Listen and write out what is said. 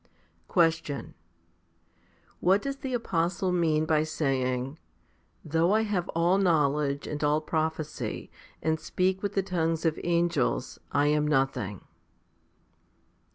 14. Question. What does the apostle mean by saying, Though I have all knowledge and all prophecy, and speak with the tongues of angels, I am nothing